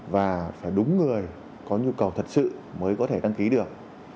và phải đúng người có nhu cầu thật sự mới có thể đăng ký được